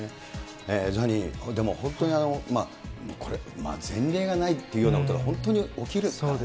ザニー、でも本当に、前例がないっていうようなことが本当に起きるからね。